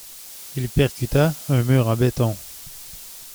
Il percuta un mur en béton.